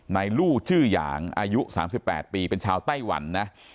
ลู่ชื่อหยางอายุ๓๘ปีเป็นชาวไต้หวันนะ